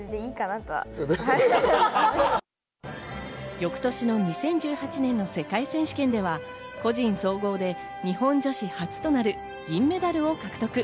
翌年の２０１８年の世界選手権では個人総合で日本女子初となる銀メダルを獲得。